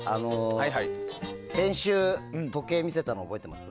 先週、時計見せたの覚えてます？